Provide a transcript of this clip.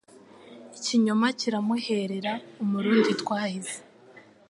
Ikinyoma kiramuherera Umurundi twahize,